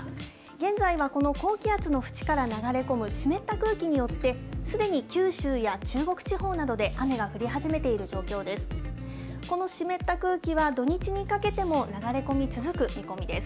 現在はこの高気圧の縁から流れ込む湿った空気によって、すでに九州や中国地方などで雨が降り始めている状況です。